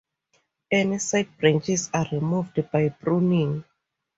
Any side branches are removed by pruning.